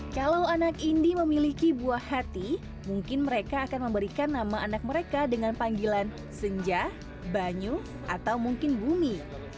kalau anak indi memiliki buah hati mungkin mereka akan memberikan nama anak mereka dengan panggilan senjah banyu atau mungkin bumi